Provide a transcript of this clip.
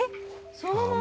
そのまま？